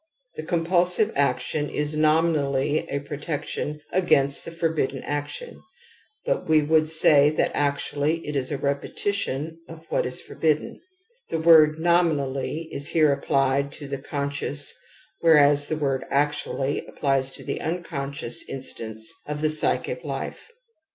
ThTconipulsi veaction is nominally a protec€ion*against the forbidden action ; but /\ y THE AMBIVALENCE OF EMOTIONS 87 f lS ^^ would say that actually it is a repetition of \^ what is forbidden. The word ' nominally ' is here applied to the conscious whereas the word ' actually ' applies to the unconscious instance of the psychic life.